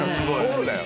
そうだよ。